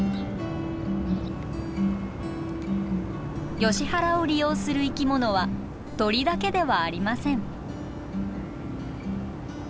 ヨシ原を利用する生き物は鳥だけではありません。